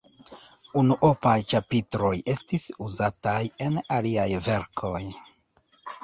Unuopaj ĉapitroj estis uzataj en aliaj verkoj.